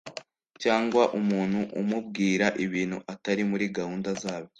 cyangwa umuntu umubwira ibintu atari muri gahunda zabyo